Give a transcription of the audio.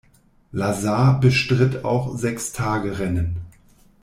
Lazar bestritt auch Sechstagerennen.